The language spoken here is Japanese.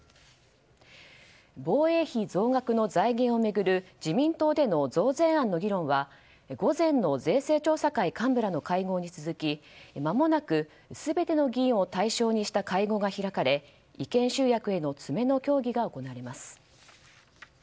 防衛費増額の財源を巡る自民党での増税案の議論は午前の税制調査会幹部らの会合に続きまもなく、全ての議員を対象にした会合が開かれ意見集約への詰めの協議が行われます。